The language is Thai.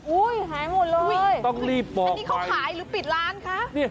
อุ๊ยหายหมดเลยนี่เขาขายหรือปิดร้านค่ะ